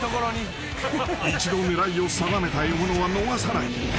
［一度狙いを定めた獲物は逃さない］